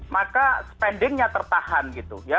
maka spendingnya tertahan gitu ya